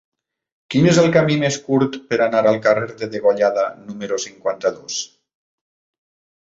Quin és el camí més curt per anar al carrer de Degollada número cinquanta-dos?